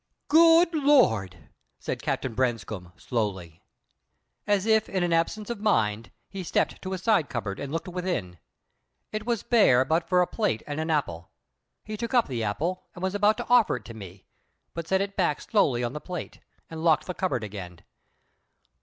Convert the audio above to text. "Good Lord!" said Captain Branscome, slowly. As if in absence of mind, he stepped to a side cupboard and looked within. It was bare but for a plate and an apple. He took up the apple, and was about to offer it to me, but set it back slowly on the plate, and locked the cupboard again.